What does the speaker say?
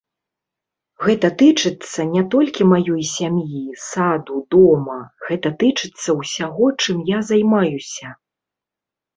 Гэта тычыцца не толькі маёй сям'і, саду, дома, гэта тычыцца ўсяго, чым я займаюся.